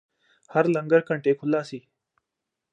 ਹਰ ਲੰਗਰ ਘੰਟੇ ਖੁਲਾ ਸੀ